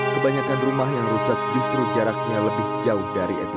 kebanyakan rumah yang rusak justru jaraknya lebih jauh dari etika